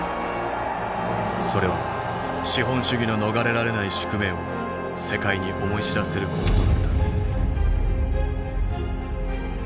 それは資本主義の逃れられない宿命を世界に思い知らせる事となった。